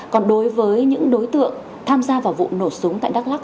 còn đối với những đối tượng tham gia vào vụ nổ súng tại đắk lắc